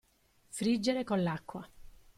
Friggere con l'acqua.